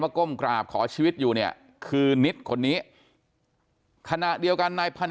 ก้มกราบขอชีวิตอยู่เนี่ยคือนิดคนนี้ขณะเดียวกันนายพันธ